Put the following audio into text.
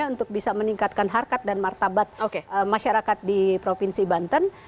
untuk bisa meningkatkan harkat dan martabat masyarakat di provinsi banten